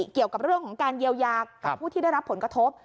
เกี่ยวกับเรื่องของการเยียวยากับผู้ที่ได้รับผลกระทบ